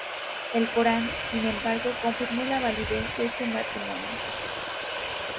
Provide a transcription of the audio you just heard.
El Corán, sin embargo, confirmó la validez de este matrimonio.